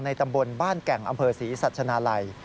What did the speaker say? ตำบลบ้านแก่งอำเภอศรีสัชนาลัย